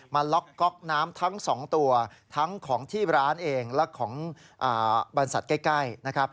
มาล็อกก๊อกน้ำทั้ง๒ตัวทั้งของที่ร้านเองและของบรรสัตว์ใกล้